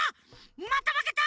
またまけた！